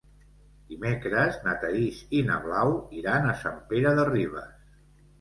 Dimecres na Thaís i na Blau iran a Sant Pere de Ribes.